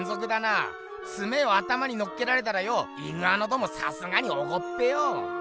ツメを頭にのっけられたらよイグアノドンもさすがにおこっぺよ！